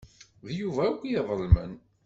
D Yuba akk i iḍelmen.